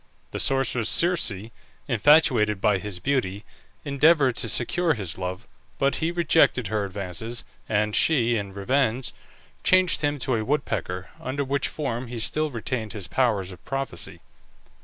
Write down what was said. The sorceress Circe, infatuated by his beauty, endeavoured to secure his love, but he rejected her advances, and she, in revenge, changed him into a woodpecker, under which form he still retained his powers of prophecy.